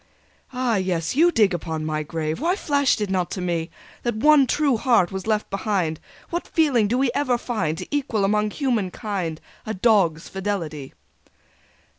"Ah yes! You dig upon my grave... Why flashed it not to me That one true heart was left behind! What feeling do we ever find To equal among human kind A dog's fidelity!"